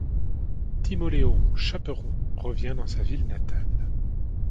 Timoléon Chapperon revient dans sa ville natale.